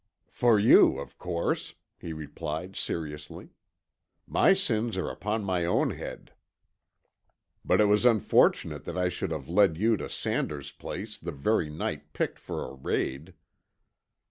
"For you, of course," he replied seriously. "My sins are upon my own head. But it was unfortunate that I should have led you to Sanders' place the very night picked for a raid.